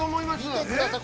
◆見てください。